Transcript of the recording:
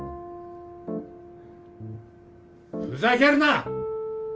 ふざけるな！